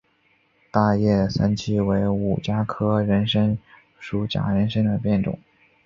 大叶三七为五加科人参属假人参的变种。